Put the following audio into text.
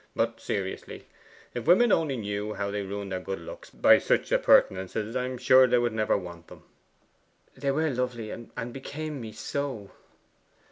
'But seriously, if women only knew how they ruin their good looks by such appurtenances, I am sure they would never want them.' 'They were lovely, and became me so!